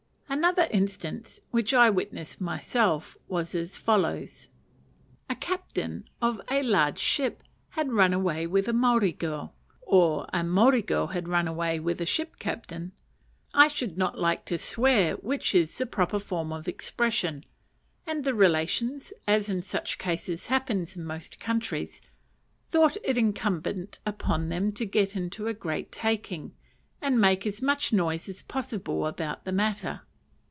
Another instance, which I witnessed myself, was as follows: A captain of a large ship had run away with a Maori girl or a Maori girl had run away with a ship captain; I should not like to swear which is the proper form of expression and the relations, as in such cases happens in most countries, thought it incumbent on them to get into a great taking, and make as much noise as possible about the matter.